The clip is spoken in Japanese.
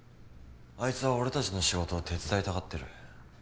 あいつは俺たちの仕事を手伝いたがってる。